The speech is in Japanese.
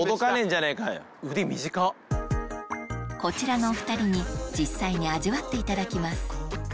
こちらのお２人に実際に味わっていただきます